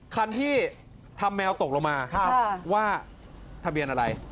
คันที่ทำแมวตกลงมาว่าทะเบียนอะไร